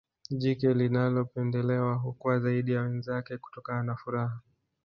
jike linalopendelewa hukua zaidi ya wenzake kutokana na furaha